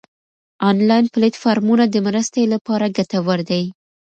انلاین پلیټ فارمونه د مرستې لپاره ګټور دي.